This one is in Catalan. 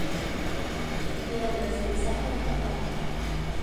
Divendres i dissabte de Carnaval.